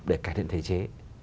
để cải thiện thể chế